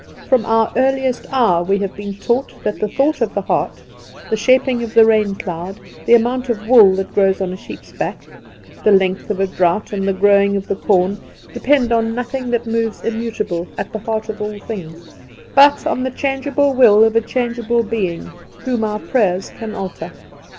From our earliest hour we have been taught that the thought of the heart, the shaping of the rain cloud, the amount of wool that grows on a sheep's back, the length of a drought, and the growing of the corn, depend on nothing that moves immutable, at the heart of all things; but on the changeable will of a changeable being, whom our prayers can alter.